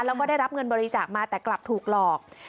แล้วก็ได้รับเงินบริจาคมาแต่กลับถูกหลอก